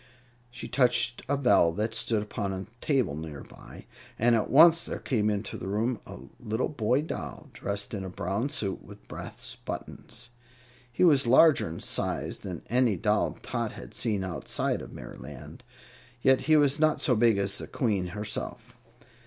She touched a bell that stood upon a table near by, and at once there came into the room a little boy doll, dressed in a brown suit with brass buttons. He was larger in size than any doll Tot had seen outside of Merryland, yet he was not so big as the Queen herself.